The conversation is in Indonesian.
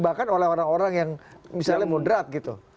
bahkan oleh orang orang yang misalnya moderat gitu